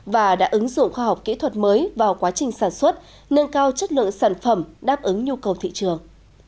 và đã ứng dụng khoa học kỹ thuật mới vào quá trình sản xuất nâng cao chất lượng sản phẩm đáp ứng nhu cầu thị trường